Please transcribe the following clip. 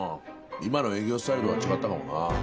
今の営業スタイルとは違ったかもなあ。